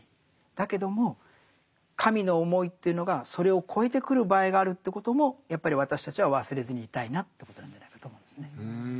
だけども神の思いというのがそれを超えてくる場合があるということもやっぱり私たちは忘れずにいたいなということなんじゃないかと思うんですね。